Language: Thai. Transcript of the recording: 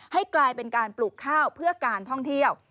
ให้กลายเป็นการปลูกข้าวเพื่อการท่องเที่ยว